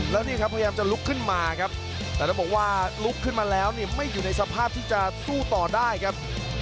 แล้วนี่ครับพยายามจะลุกขึ้นมาครับแต่ต้องบอกว่าลุกขึ้นมาแล้วเนี่ยไม่อยู่ในสภาพที่จะสู้ต่อได้ครับ